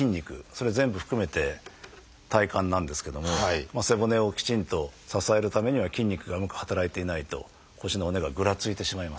それを全部含めて体幹なんですけども背骨をきちんと支えるためには筋肉がうまく働いていないと腰の骨がぐらついてしまいます。